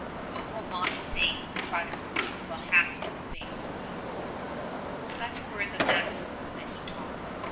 " Who will not obey the rudder will have to obey the reef." Such were the maxims that he taught.